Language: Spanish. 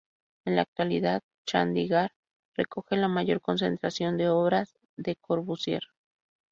En la actualidad, Chandigarh recoge la mayor concentración de obras de Le Corbusier.